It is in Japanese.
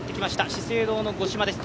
資生堂の五島です。